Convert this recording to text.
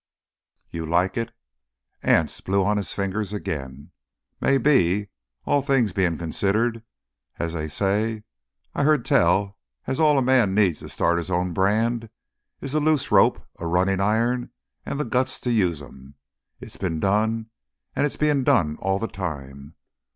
"You'd like it?" Anse blew on his fingers again. "Maybe—all things bein' considered, as they say. I've heard tell as how all a man needs to start his own brand is a loose rope, a runnin' iron, an' th' guts to use them. It's been done, an' is bein' done all th' time.